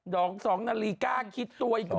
ด่องสองนารีกล้าคิดตัวอีกก่อน